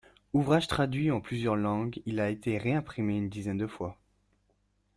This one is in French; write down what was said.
Ouvrage traduit en plusieurs langues, il a été réimprimé une dizaine de fois.